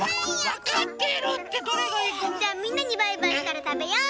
じゃあみんなにバイバイしたらたべよう！